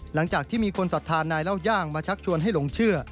หลังจากที่มีคนสัทธานายเล่าย่างมาชักชวนให้หลงเชื่อ